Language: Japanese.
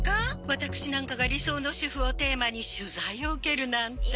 私なんかが理想の主婦をテーマに取材を受けるなんて。